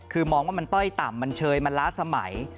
คือมองว่ามันต้อยต่ำมันเชยมันล้าสมัย